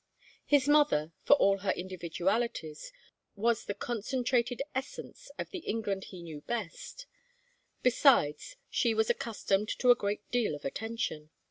His mother, for all her individualities, was the concentrated essence of the England he knew best. Besides, she was accustomed to a great deal of attention.